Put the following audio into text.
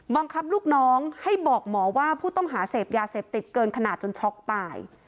บังคับลูกน้องให้บอกหมอว่าผู้ต้องหาเสพยาเสพติดเกินขนาดจนช็อกตาย